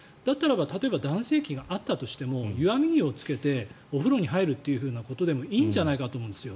例えば男性器があったとしても湯あみ着をつけてお風呂に入るということでもいいんじゃないかと思うんです。